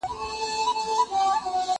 زه به د ښوونځی لپاره تياری کړی وي،